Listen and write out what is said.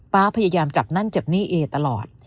พยายามจับนั่นเจ็บหนี้เอตลอด